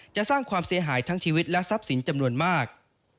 จะสร้างความเสียหายทั้งชีวิตและทรัพย์สินจำนวนมาก